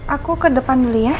aku ke depan dulu ya